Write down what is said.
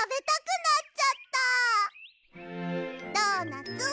ドーナツ